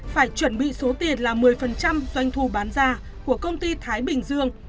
phải chuẩn bị số tiền là một mươi doanh thu bán ra của công ty thái bình dương